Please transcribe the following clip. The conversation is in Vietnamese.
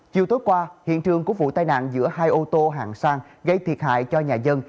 chiều tối qua hiện trường của vụ tai nạn giữa hai ô tô hạng sang gây thiệt hại cho nhà dân